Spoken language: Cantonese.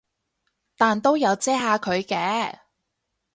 但都有遮下佢嘅